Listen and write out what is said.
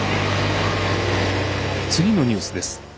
次のニュースです。